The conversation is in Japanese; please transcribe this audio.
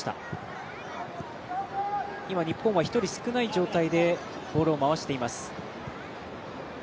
今、日本は１人少ない状態でボールを回しています。